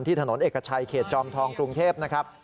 ถนนเอกชัยเขตจอมทองกรุงเทพนะครับ